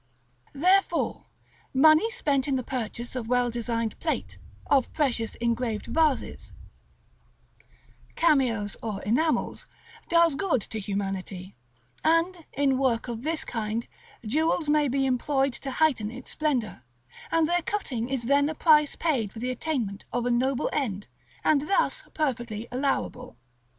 Therefore, money spent in the purchase of well designed plate, of precious engraved vases, cameos, or enamels, does good to humanity; and, in work of this kind, jewels may be employed to heighten its splendor; and their cutting is then a price paid for the attainment of a noble end, and thus perfectly allowable.